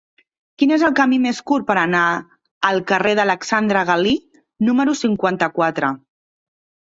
Quin és el camí més curt per anar al carrer d'Alexandre Galí número cinquanta-quatre?